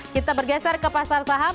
kita bergeser ke pasar saham